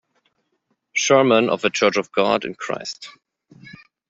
Sherman of The Church Of God In Christ.